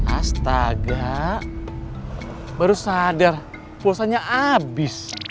astaga baru sadar pulsanya abis